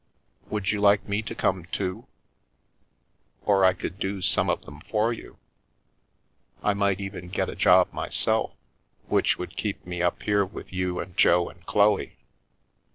"Would you like me to come too? Or I could do some of them for you. I might even get a job myself, which would keep me up here with you and Jo and Chloe."